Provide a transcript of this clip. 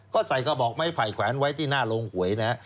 ก็ใส่กระบอกไม้ไผ่แขวนไว้ที่หน้าโรงหวยนะฮะ